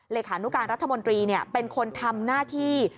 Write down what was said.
ขานุการรัฐมนตรีเป็นคนทำหน้าที่